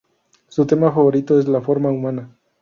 Su tema favorito es la forma humana.